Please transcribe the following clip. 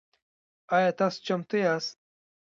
آیا تاسو چمتو یاست؟